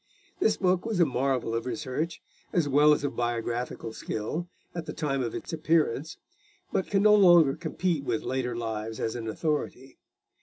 This book was a marvel of research, as well as of biographical skill, at the time of its appearance, but can no longer compete with later lives as an authority.